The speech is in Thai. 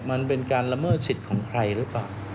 มันเป็นการละเมิดสิทธิ์ของใครหรือเปล่า